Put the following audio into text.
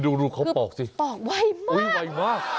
ดูเขาปอกสิปอกไวมากไวมาก